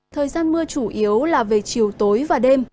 thời gian mưa chủ yếu là về chiều tối và đêm